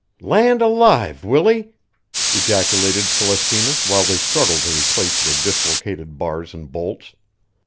"Land alive, Willie!" ejaculated Celestina while they struggled to replace the dislocated bars and bolts.